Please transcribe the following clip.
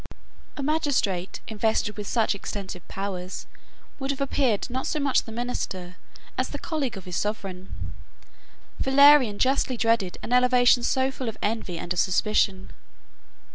] A magistrate, invested with such extensive powers, would have appeared not so much the minister, as the colleague of his sovereign. 41 Valerian justly dreaded an elevation so full of envy and of suspicion.